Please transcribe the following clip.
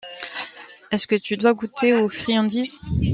estce que tu dois goûter aux friandises.